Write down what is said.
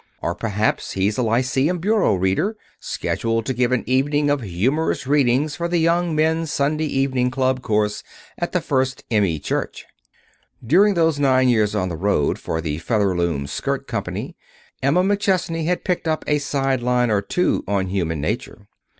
Or perhaps he's a lyceum bureau reader, scheduled to give an evening of humorous readings for the Young Men's Sunday Evening Club course at the First M. E. Church." During those nine years on the road for the Featherloom Skirt Company Emma McChesney had picked up a side line or two on human nature.